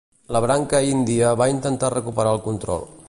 La branca índia va intentar recuperar el control.